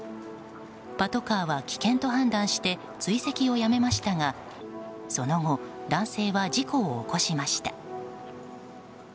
パトカーは危険と判断して追跡をやめましたがその後、男性は事故を起こしました。